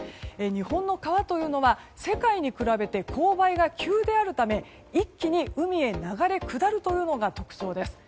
日本の川というのは世界に比べて勾配が急であるため一気に海へ流れ下るのが特徴です。